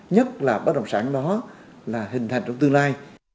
nhất là bất động sản đó là hình thành trong tương lai